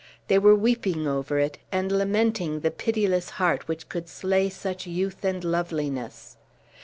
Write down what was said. They were weeping over it, and lamenting the pitiless heart which could slay such youth and loveliness.